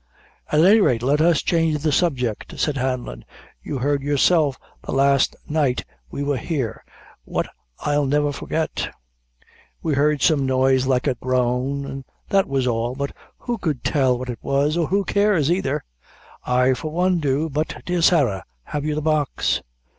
"At any rate, let us change the subject," said Hanlon; "you heard yourself the last night we wor here, what I'll never forget." "We heard some noise like a groan, an' that was all; but who could tell what it was, or who cares either?" "I, for one, do; but, dear Sarah, have you the box?"